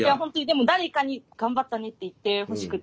でも誰かに頑張ったねって言ってほしくて。